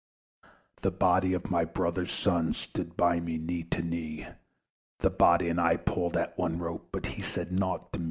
The body of my brother's son, Stood by me, knee to knee: The body and I pulled at one rope, But he said nought to me.